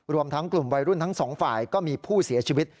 รวมทั้งกลุ่มวัยรุ่นทั้งสองฝ่ายก็มีผู้เสียชีวิต